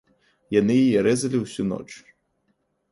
Яны яе рэзалі ўсю ноч.